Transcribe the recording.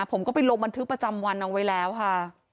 ผมก็ไปลงบันทึกประจำวันเอาไว้แล้วค่ะ